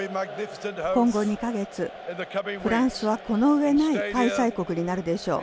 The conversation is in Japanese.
今後２か月、フランスはこの上ない開催国になるでしょう。